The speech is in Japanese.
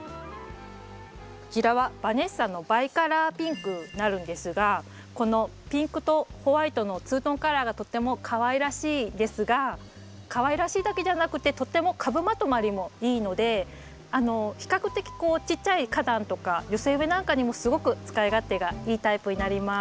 こちらはバネッサのバイカラーピンクになるんですがこのピンクとホワイトのツートンカラーがとってもかわいらしいですがかわいらしいだけじゃなくてとても株まとまりもいいので比較的ちっちゃい花壇とか寄せ植えなんかにもすごく使い勝手がいいタイプになります。